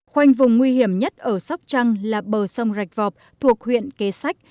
khoanh vùng nguy hiểm nhất ở sóc trăng là bờ sông rạch vọp thuộc huyện kế sách